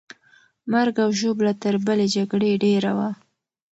مرګ او ژوبله تر بلې جګړې ډېره وه.